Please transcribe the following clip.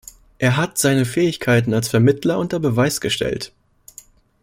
Er hat seine Fähigkeiten als Vermittler unter Beweis gestellt.